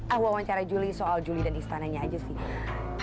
ah wawancara julie soal julie dan istananya aja sih